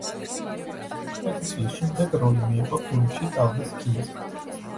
ერთი წლის შემდეგ როლი მიიღო ფილმში „ტალღის ქიმზე“.